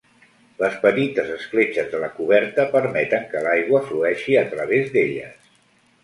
Les petites escletxes de la coberta permeten que l'aigua flueixi a través d'elles.